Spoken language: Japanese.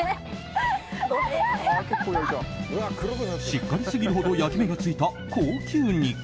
しっかりすぎるほど焼き目がついた高級肉。